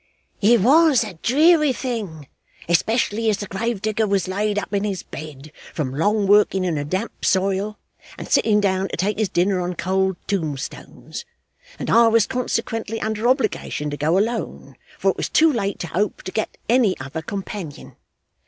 'It WAS a dreary thing, especially as the grave digger was laid up in his bed, from long working in a damp soil and sitting down to take his dinner on cold tombstones, and I was consequently under obligation to go alone, for it was too late to hope to get any other companion.